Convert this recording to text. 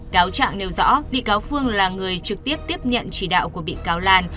cáo trạng nêu rõ bị cáo phương là người trực tiếp tiếp nhận chỉ đạo của bị cáo lan